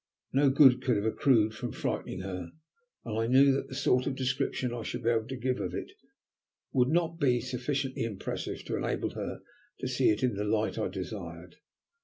No good could have accrued from frightening her, and I knew that the sort of description I should be able to give of it would not be sufficiently impressive to enable her to see it in the light I desired.